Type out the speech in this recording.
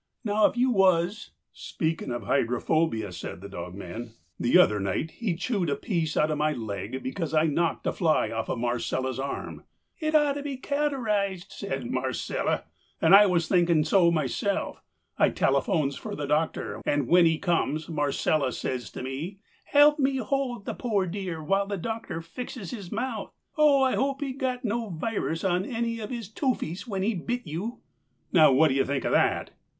Now if you was—" "Speaking of hydrophobia," said the dogman, "the other night he chewed a piece out of my leg because I knocked a fly off of Marcella's arm. 'It ought to be cauterized,' says Marcella, and I was thinking so myself. I telephones for the doctor, and when he comes Marcella says to me: 'Help me hold the poor dear while the doctor fixes his mouth. Oh, I hope he got no virus on any of his toofies when he bit you.' Now what do you think of that?"